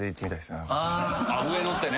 上乗ってね。